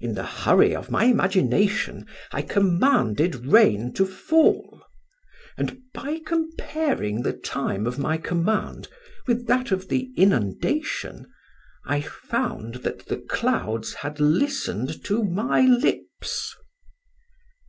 In the hurry of my imagination I commanded rain to fall; and by comparing the time of my command with that of the inundation, I found that the clouds had listened to my lips.